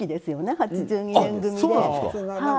８２年組で。